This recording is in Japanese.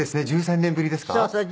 １３年ぶりですって。